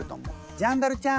ジャンダルちゃん。